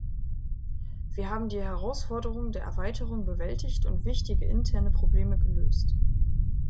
Wir haben die Herausforderung der Erweiterung bewältigt und wichtige interne Probleme gelöst.